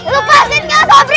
lepasin enggak sobri